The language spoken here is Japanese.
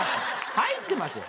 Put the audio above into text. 入ってますよ。